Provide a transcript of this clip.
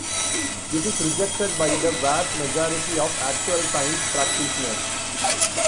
This is rejected by the vast majority of actual science practitioners.